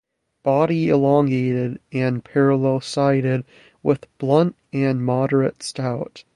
Body elongated and parallel sided with blunt and moderate stout.